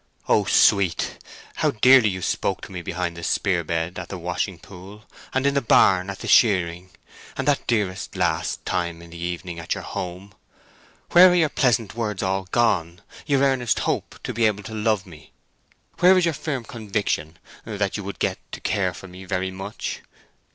O sweet—how dearly you spoke to me behind the spear bed at the washing pool, and in the barn at the shearing, and that dearest last time in the evening at your home! Where are your pleasant words all gone—your earnest hope to be able to love me? Where is your firm conviction that you would get to care for me very much?